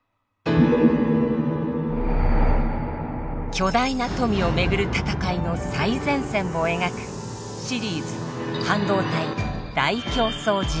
巨大な富を巡る闘いの最前線を描くシリーズ「半導体大競争時代」。